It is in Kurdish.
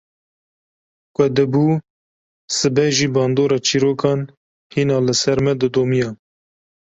Ku dibû sibe jî bandora çîrokan hîna li ser me didomiya.